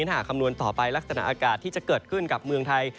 หากคำนวณต่อไปลักษณะอากาศที่จะเกิดขึ้นกับเมืองไทย